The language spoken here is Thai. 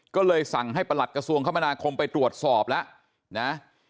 ก็เลยสั่งให้ประหลัดกระทรวงคมนาคมไปตรวจสอบแล้วนะ